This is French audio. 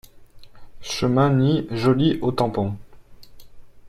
Chemin Nid Joli au Tampon